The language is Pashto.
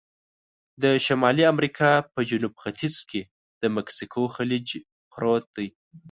د شمالي امریکا په جنوب ختیځ کې د مکسیکو خلیج پروت دی.